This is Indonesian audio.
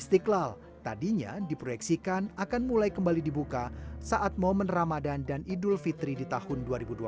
istiqlal tadinya diproyeksikan akan mulai kembali dibuka saat momen ramadan dan idul fitri di tahun dua ribu dua puluh